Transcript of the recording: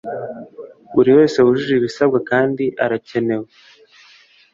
buri wese wujuje ibisabwa kandi arakenewe